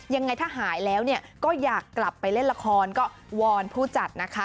ยังไงถ้าหายแล้วก็อยากกลับไปเล่นละครก็วอนผู้จัดนะคะ